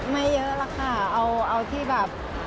ไม่เยอะหรอกค่ะเอาที่แบบ